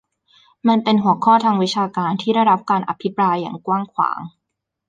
มันเป็นหัวข้อทางวิชาการที่ได้รับการอภิปรายอย่างกว้างขวาง